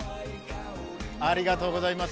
ありがとうございます。